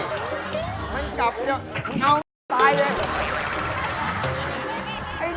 มันกลับเดี๋ยวมึงเอาตายเลย